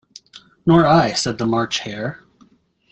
‘Nor I,’ said the March Hare.